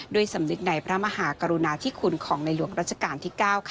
สำนึกในพระมหากรุณาธิคุณของในหลวงรัชกาลที่๙ค่ะ